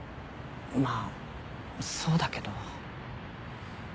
まあそうだけど。